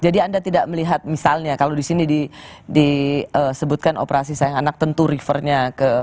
jadi anda tidak melihat misalnya kalau di sini disebutkan operasi sayang anak tentu refernya ke